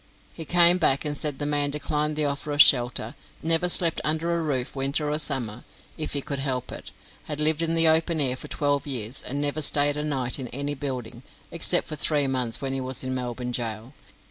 He came back, and said the man declined the offer of shelter; never slept under a roof winter or summer, if he could help it; had lived in the open air for twelve years, and never stayed a night in any building, except for three months, when he was in Melbourne gaol.